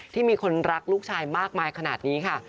ที่มีคนรักลูกชายมากมายขนาดนี้ค่ะ